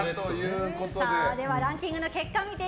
ではランキングの結果です。